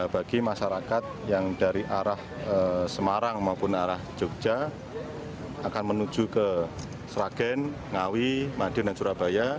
bagi masyarakat yang dari arah semarang maupun arah jogja akan menuju ke sragen ngawi madiun dan surabaya